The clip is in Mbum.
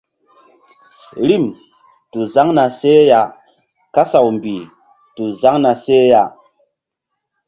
Rim tu zaŋ na seh ya kasaw mbih tu zaŋ na seh ya.